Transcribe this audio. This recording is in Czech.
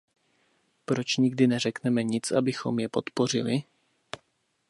Proč nikdy neřekneme nic, abychom je podpořili?